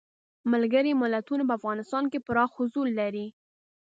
ملګري ملتونه په افغانستان کې پراخ حضور لري.